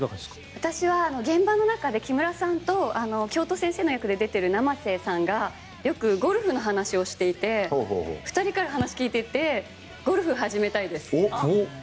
私は現場の中で木村さんと教頭先生の役で出ている生瀬さんがよくゴルフの話をしていて２人から話を聞いていていいですね。